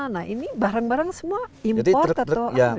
nah ini barang barang semua import atau apa